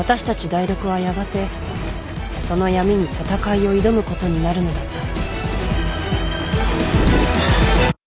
ダイロクはやがてその闇に戦いを挑むことになるのだった］